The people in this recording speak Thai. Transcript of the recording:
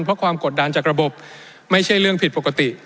เพราะความกดดันจากระบบไม่ใช่เรื่องผิดปกติ